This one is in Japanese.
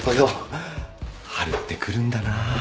春って来るんだなぁ。